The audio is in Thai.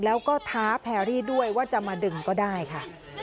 แล้วก็ท้าแพรรี่ด้วยว่าจะมาดึงก็ได้ค่ะ